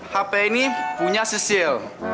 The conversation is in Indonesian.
handphone ini punya cecil